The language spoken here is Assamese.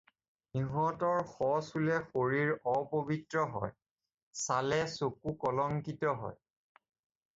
ইহঁতৰ শ ছুলে শৰীৰ অপৱিত্ৰ হয়, চালে চকু কলংকিত হয়।